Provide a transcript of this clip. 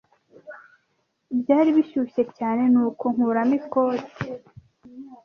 Byari bishyushye cyane, nuko nkuramo ikoti.